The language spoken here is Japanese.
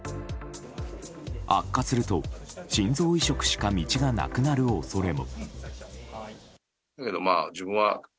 悪化すると心臓移植しか道がなくなる恐れも。